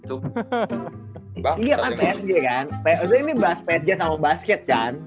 itu ini bahas psg sama basket kan